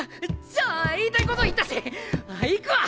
じゃあ言いたいこと言ったし行くわ。